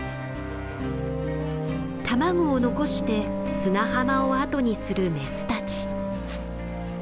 卵を残して砂浜を後にするメスたち。